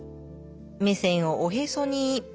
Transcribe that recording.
目線をおへそに。